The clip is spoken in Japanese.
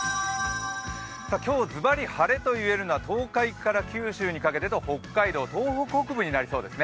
今日、ズバリ晴れといえるのは東海から九州にかけてと北海道、東北北部になりそうです。